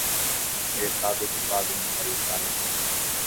Mercado ocupado em um país árabe.